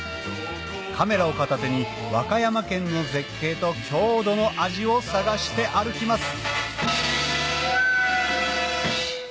カメラを片手に和歌山県の絶景と郷土の味を探して歩きます